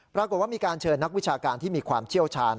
ปรากฏว่ามีการเชิญนักวิชาการที่มีความเชี่ยวชาญ